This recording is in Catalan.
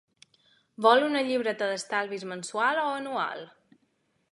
Vol un llibreta d'estalvis mensual o anual?